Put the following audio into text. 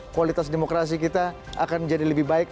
kualitas demokrasi kita akan menjadi lebih baik